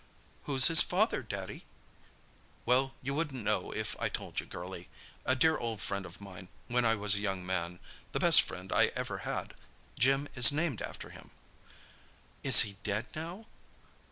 "Who's his father, Daddy?" "Well, you wouldn't know if I told you, girlie. A dear old friend of mine when I was a young man—the best friend I ever had. Jim is named after him." "Is he dead now?"